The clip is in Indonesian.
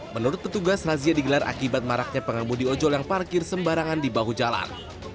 menurut petugas razia digelar akibat maraknya pengemudi ojol yang parkir sembarangan di bahu jalan